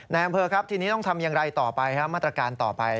แนมเพลิงครับทีนี้ต้องทำอย่างไรต่อไปฮะมาตรการต่อไป